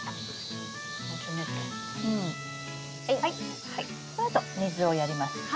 このあと水をやります。